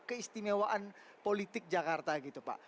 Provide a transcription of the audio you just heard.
keistimewaan politik jakarta